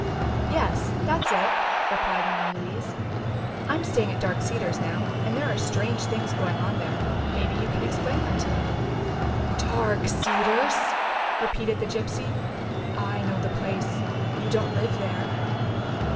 "Yes, that's it," replied Mary Louise. "I'm staying at Dark Cedars now, and there are strange things going on there. Maybe you can explain them." "Dark Cedars!" repeated the gypsy. "I know the place.... You don't live there?"